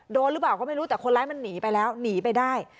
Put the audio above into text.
โดนหรือเปล่าก็ไม่รู้แต่คนร้ายมันหนีไปแล้วหนีไปได้